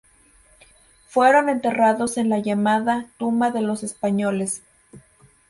Fueron enterrados en la llamada "Tumba de los españoles".